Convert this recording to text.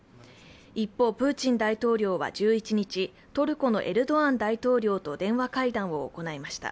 一方、プーチン大統領は１１日、トルコのエルドアン大統領と電話会談を行いました。